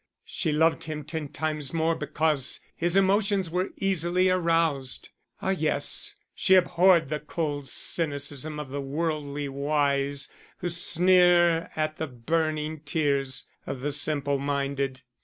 She loved him ten times more because his emotions were easily aroused. Ah yes, she abhorred the cold cynicism of the worldly wise who sneer at the burning tears of the simple minded.